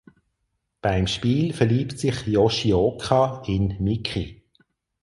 Beim Spiel verliebt sich Yoshioka in Miki.